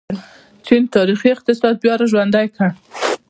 چین تاریخي اقتصاد بیا راژوندی کړ.